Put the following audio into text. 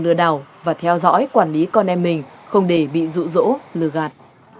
lừa đảo và theo dõi quản lý con em mình không để bị rụ rỗ lừa gạt